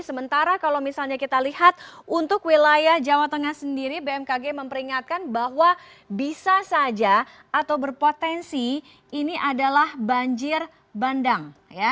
sementara kalau misalnya kita lihat untuk wilayah jawa tengah sendiri bmkg memperingatkan bahwa bisa saja atau berpotensi ini adalah banjir bandang